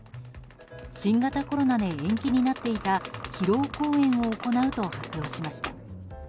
新型コロナで延期になっていた披露公演を行うと発表しました。